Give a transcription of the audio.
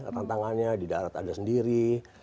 tantangannya di darat ada sendiri